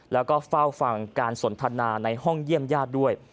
แล้วก็เฝ้าฟังการสนทนาในห้องเยี่ยมญาติด้วย